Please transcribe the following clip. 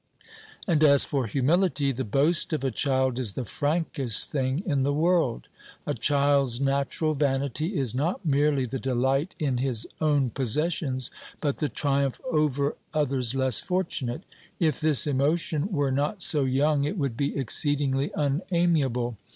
And as for humility, the boast of a child is the frankest thing in the world. A child's natural vanity is not merely the delight in his own possessions, but the triumph over others less fortunate. If this emotion were not so young it would be exceedingly unamiable.